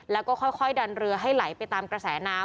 แล้วก็ค่อยดันเรือให้ไหลไปตามกระแสน้ำ